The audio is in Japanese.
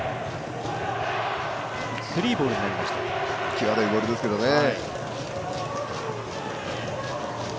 際どいボールですけどね。